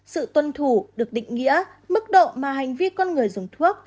sự tuân thủ được định nghĩa mức độ mà hành vi con người dùng thuốc